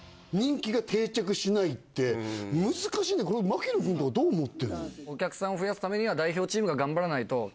槙野君とかはどう思ってるの？